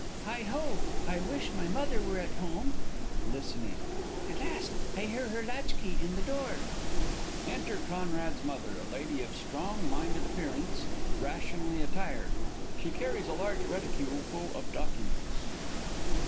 _ Heigho, I wish my Mother were at home! (Listening.) At last! I hear her latch key in the door! [Enter CONRAD'S _Mother, a lady of strong minded appearance, rationally attired. She carries a large reticule full of documents.